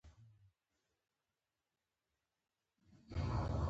شپې ورځې کښېوتلې.